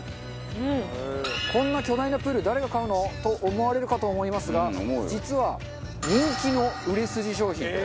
こんな巨大なプール誰が買うの？と思われるかと思いますが実は人気の売れ筋商品。